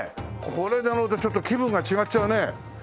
これちょっと気分が違っちゃうね。